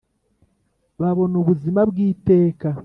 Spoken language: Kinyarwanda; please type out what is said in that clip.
babona ubuzima bw iteka